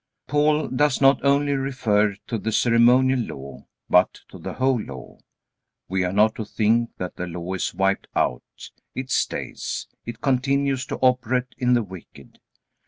Paul does not only refer to the Ceremonial Law, but to the whole Law. We are not to think that the Law is wiped out. It stays. It continues to operate in the wicked.